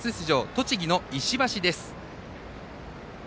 栃木の石橋です。